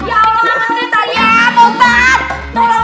alaak pak ya allah pak ustaz